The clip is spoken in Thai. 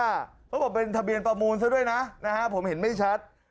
เขาบอกเป็นทะเบียนประมูลซะด้วยนะผมเห็นไม่ชัด